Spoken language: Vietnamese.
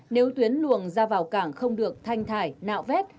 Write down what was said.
nếu tuyến luồng ra vào cảng không được thanh thải nạo vét